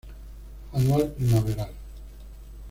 Anual primaveral.